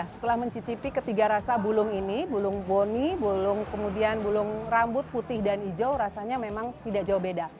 setelah mencicipi ketiga rasa bulung ini bulung boni bulung kemudian bulung rambut putih dan hijau rasanya memang tidak jauh beda